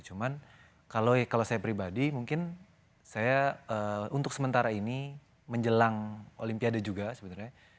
cuman kalau saya pribadi mungkin saya untuk sementara ini menjelang olimpiade juga sebenarnya